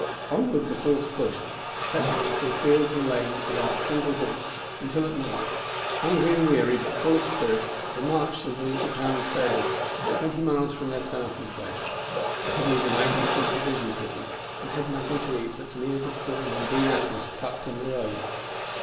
Onward the force pushed, pressing on through fields and lanes without a single halt, until at night, hungry and weary but full of spirit, they marched into the little town of Salem, twenty miles from their starting place. They had neither wagons nor provisions with them, and had nothing to eat but some ears of corn and green apples plucked on the road.